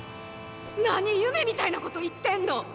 何夢みたいなこと言ってんの！